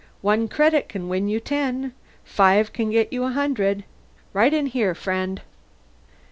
"One credit can win you ten; five can get you a hundred. Right in here, friend."